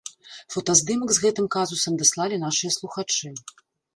Фотаздымак з гэтым казусам даслалі нашыя слухачы.